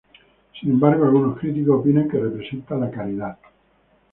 Sin embargo, algunos críticos opinan que representa la caridad.